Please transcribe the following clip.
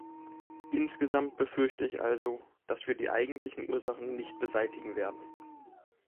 Insgesamt befürchte ich also, dass wir die eigentlichen Ursachen nicht beseitigen werden.